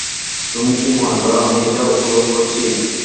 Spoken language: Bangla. তুমি কি মনে কর আমি এটা উপভোগ করছি?